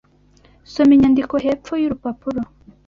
Soma inyandiko hepfo yurupapuro.